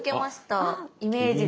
イメージで。